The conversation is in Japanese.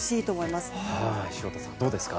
潮田さん、どうですか？